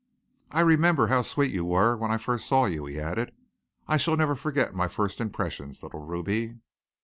"I remember how sweet you were when I first saw you," he added. "I shall never forget my first impressions, little Ruby."